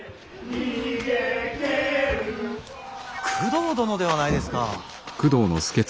工藤殿ではないですか。